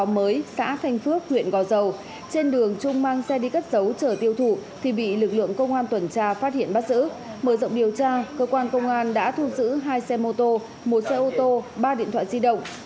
mở rộng điều tra cơ quan công an đã thu giữ hai xe mô tô một xe ô tô ba điện thoại di động